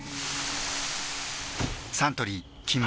サントリー「金麦」